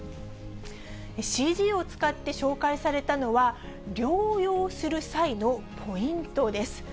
ＣＧを使って紹介されたのは、療養する際のポイントです。